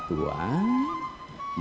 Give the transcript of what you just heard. diapit oleh kedua orang tua